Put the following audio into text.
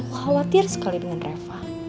khawatir sekali dengan reva